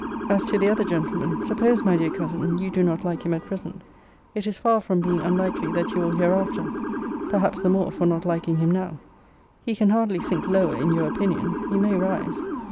As to the other gentleman, suppose, my dear cousin, you do not like him at present, it is far from being unlikely that you will hereafter: perhaps the more for not liking him now. He can hardly sink lower in your opinion: he may rise.